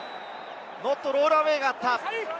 ノットロールアウェイがあった。